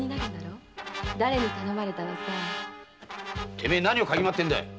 てめえ何を嗅ぎ回ってんだ！